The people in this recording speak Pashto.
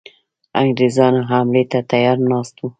انګرېزان حملې ته تیار ناست وه.